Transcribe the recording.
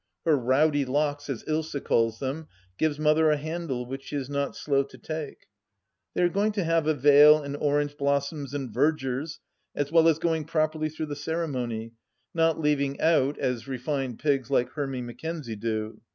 Her rowdy locks, as Ilsa calls them, give Mother a handle which she is not slow to take. They are going to have a veil and orange blossoms and vergers, as well as going properly through the ceremony, not leaving out, as refined pigs like Hermy Mackenzie do.